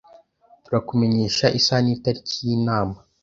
Turakumenyesha isaha nitariki yinama